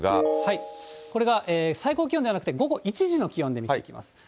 これが最高気温ではなくて、午後１時の気温で見ていきます。